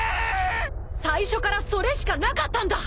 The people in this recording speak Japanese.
最初からそれしかなかったんだ！